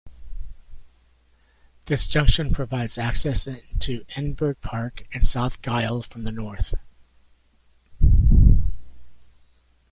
This junction provides access into Edinburgh Park and South Gyle from the north.